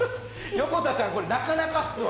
横田さん、これなかなかっすわ。